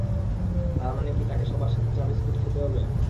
তার মানে কি তাকে সবার সাথে চা-বিস্কুট খেতে হবে?